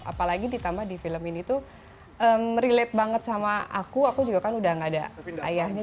apalagi ditambah di film ini tuh relate banget sama aku aku juga kan udah gak ada ayahnya